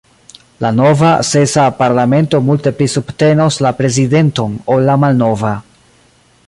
La nova, sesa, parlamento multe pli subtenos la prezidenton ol la malnova.